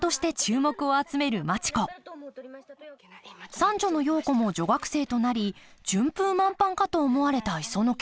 三女のヨウ子も女学生となり順風満帆かと思われた磯野家。